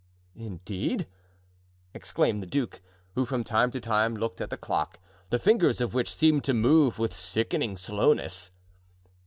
"Indeed!" exclaimed the duke, who from time to time looked at the clock, the fingers of which seemed to move with sickening slowness.